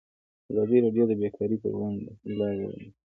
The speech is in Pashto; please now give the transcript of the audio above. ازادي راډیو د بیکاري پر وړاندې د حل لارې وړاندې کړي.